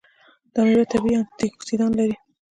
دا میوه طبیعي انټياکسیدان لري.